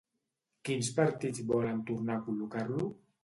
Quins partits volen tornar a col·locar-lo?